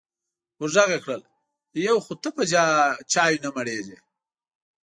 ور غږ یې کړل: یو خو ته په چایو نه مړېږې.